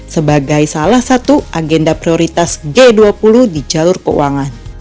sebagai salah satu agenda prioritas g dua puluh di jalur keuangan